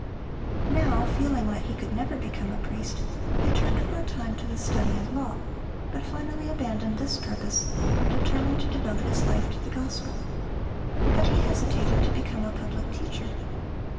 Now, feeling that he could never become a priest, he turned for a time to the study of law, but finally abandoned this purpose, and determined to devote his life to the gospel. But he hesitated to become a public teacher.